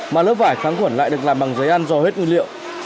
mà lớp vải kháng khuẩn lại được làm bằng giấy ăn dò hết nguyên liệu